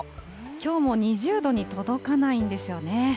きょうも２０度に届かないんですよね。